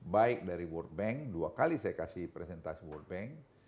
baik dari world bank dua kali saya kasih presentasi world bank